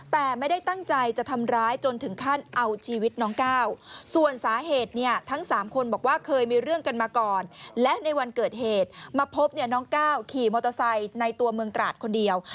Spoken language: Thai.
แต่ไม่ได้ตั้งใจจะทำร้ายจนถึงขั้นเอาชีวิตน้องก้าวส่วนสาเหตุเนี่ยทั้ง๓คนบอกว่าเคยมีเรื่องกันมาก่อนและในวันเกิดเหตุมาพบเนี่ยน้องก้าวขี่มอเตอร์ไซค์ในตัวเมืองตราดคนเดียว